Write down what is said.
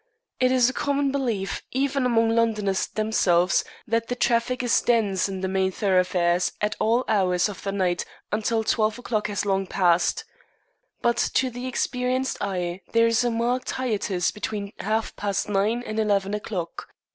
It is a common belief, even among Londoners themselves, that the traffic is dense in the main thoroughfares at all hours of the night until twelve o'clock has long past. But to the experienced eye there is a marked hiatus between half past nine and eleven o'clock.